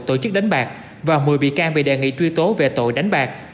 tổ chức đánh bạc và một mươi bị can bị đề nghị truy tố về tội đánh bạc